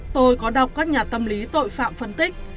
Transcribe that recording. tôi có đọc các nhà tâm lý tội phạm phân tích